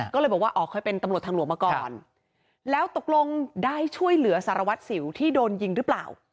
ก็เลยบอกว่าอ๋อเคยเป็นตำรวจทางหลวงมาก่อนแล้วตกลงได้ช่วยเหลือสารวัตรสิวที่โดนยิงหรือเปล่า